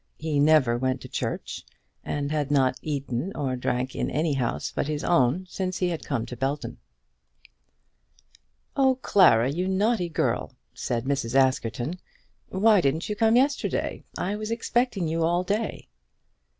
He never went to church, and had not eaten or drank in any house but his own since he had come to Belton. "Oh, Clara, you naughty girl," said Mrs. Askerton, "why didn't you come yesterday? I was expecting you all day."